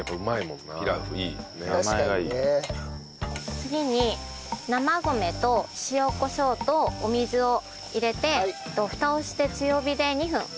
次に生米と塩コショウとお水を入れてフタをして強火で２分。